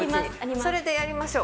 それでやりましょう。